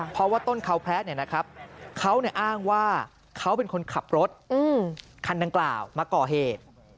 เพราะว่าต้นเขาพระเขาอ้างว่าเขาเป็นคนขับรถคันดังกล่าวมาก่อเหตุ